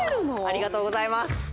ありがとうございます